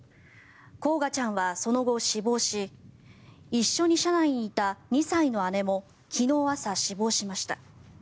煌翔ちゃんは、その後、死亡し一緒に車内にいた２歳の姉も昨日朝、死亡しました。